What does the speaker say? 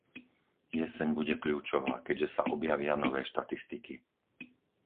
Jeseň bude kľúčová, keďže sa objavia nové štatistiky.